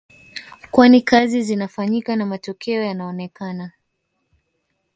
Kwani kazi zinafanyika na matokeo yanaonekana